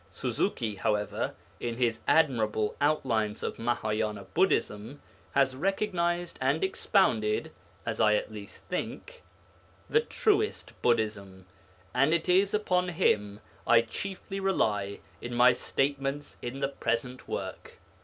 Suzuki, however, in his admirable Outlines of Mahāyāna Buddhism, has recognized and expounded (as I at least think) the truest Buddhism, and it is upon him I chiefly rely in my statements in the present work.